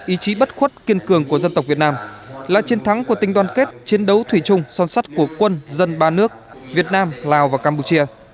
ý chí bất khuất kiên cường của dân tộc việt nam là chiến thắng của tình đoàn kết chiến đấu thủy chung son sắt của quân dân ba nước việt nam lào và campuchia